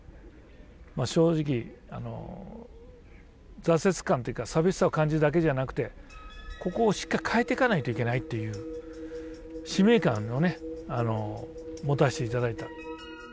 正直挫折感っていうか寂しさを感じるだけでなくてここをしっかり変えていかないといけないという使命感を持たせていただいた。